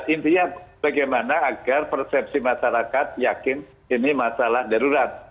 intinya bagaimana agar persepsi masyarakat yakin ini masalah darurat